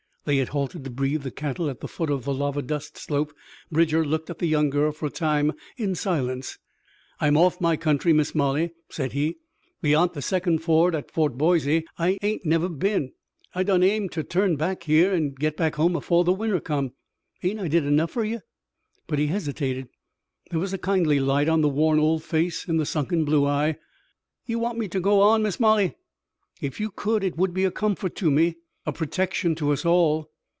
They had halted to breathe the cattle at the foot of lava dust slope. Bridger looked at the young girl for a time in silence. "I'm off my country, Miss Molly," said he. "Beyant the second ford, at Fort Boise, I ain't never been. I done aimed ter turn back here an' git back home afore the winter come. Ain't I did enough fer ye?" But he hesitated. There was a kindly light on the worn old face, in the sunken blue eye. "Ye want me ter go on, Miss Molly?" "If you could it would be a comfort to me, a protection to us all."